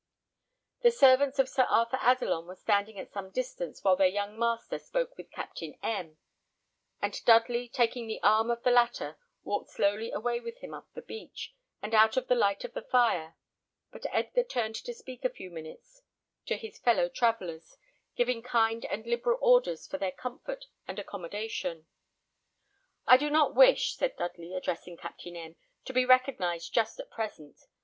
The servants of Sir Arthur Adelon were standing at some distance while their young master spoke with Captain M ; and Dudley, taking the arm of the latter, walked slowly away with him up the beach, and out of the light of the fire; but Edgar turned to speak a few minutes to his fellow travellers, giving kind and liberal orders for their comfort and accommodation. "I do not wish," said Dudley, addressing Captain M , "to be recognised just at present.